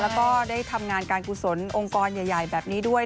แล้วก็ได้ทำงานการกุศลองค์กรใหญ่แบบนี้ด้วย